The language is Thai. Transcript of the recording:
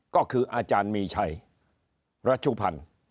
ก็คืออาจารย์มีชัยรัชุพันธ์